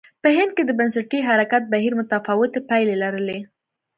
په هند کې د بنسټي حرکت بهیر متفاوتې پایلې لرلې.